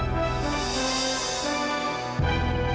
jawab papa nak